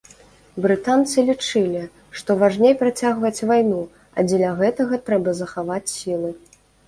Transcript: Брытанцы лічылі, што важней працягваць вайну, а дзеля гэтага трэба захаваць сілы.